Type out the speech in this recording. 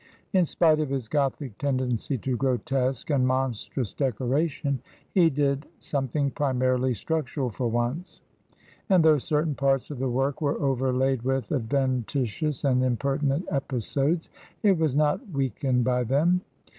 In spite of his Gothic tendency to grotesque and monstrous decoration, he did something primarily structural for once; and though certain parts of the work were overlaid with adven titious and impertinent episodes, it was not weak ened by them.